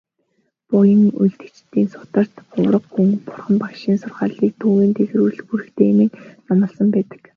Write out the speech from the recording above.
Буян үйлдэгчийн сударт "Хувраг хүн Бурхан багшийн сургаалыг түгээн дэлгэрүүлэх үүрэгтэй" хэмээн номлосон байдаг.